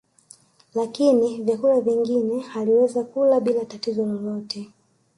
Lakini vyakula vingine aliweza kula bila tatizo lolote